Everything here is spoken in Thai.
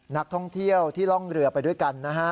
นักท่องเที่ยวที่ร่องเรือไปด้วยกันนะฮะ